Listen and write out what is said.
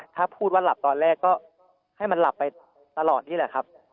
ถ้าพูดว่าหลับตอนแรกก็ให้มันหลับไปตลอดนี่แหละครับ